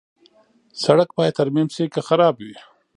سړک باید ترمیم شي که خراب وي.